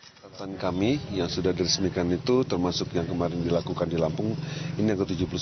catatan kami yang sudah diresmikan itu termasuk yang kemarin dilakukan di lampung ini yang ke tujuh puluh sembilan